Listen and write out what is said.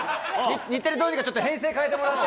日テレ、どうにか編成変えてもらって。